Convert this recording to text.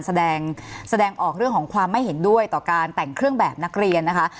แสดงแสดงออกเรื่องของความไม่เห็นด้วยต่อการแต่งเครื่องแบบนักเรียนนะคะ